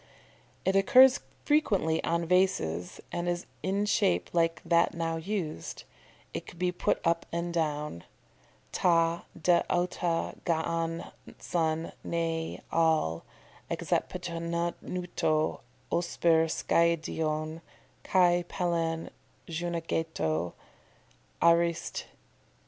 "] It occurs frequently on vases, and is in shape like that now used. It could be put up and down. "ta d' ota g'an son, nae AL', exepetannuto osper skiadeion, kai palin xunaegeto." _Arist.